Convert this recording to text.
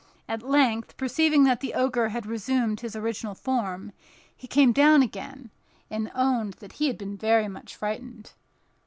At length, perceiving that the Ogre had resumed his original form, he came down again, and owned that he had been very much frightened.